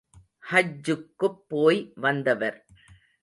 ஹஜ் ஜுக்குப் போய் வந்தவர்.